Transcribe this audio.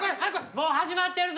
もう始まってるぞ！